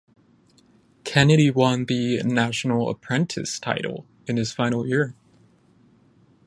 Kennedy won the National Apprentice title in his final year.